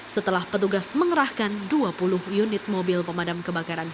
setelah petugas mengerahkan dua puluh unit mobil pemadam kebakaran